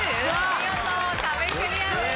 見事壁クリアです。